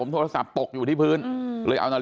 ผมโทรศัพท์ปกอยู่ที่พื้น